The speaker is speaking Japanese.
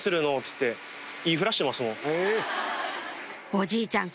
おじいちゃん